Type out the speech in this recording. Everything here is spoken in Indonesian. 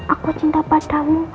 aku cinta padamu